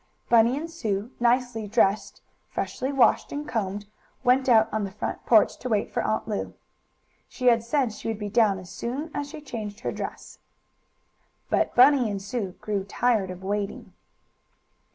Bunny and Sue, nicely dressed, freshly washed and combed, went out on the front porch to wait for Aunt Lu. She had said she would be down as soon as she changed her dress. But Bunny and Sue grew tired of waiting.